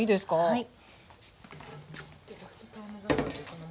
はい。